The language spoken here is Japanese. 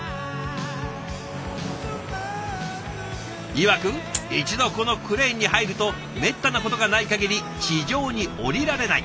いわく一度このクレーンに入るとめったなことがないかぎり地上に降りられない。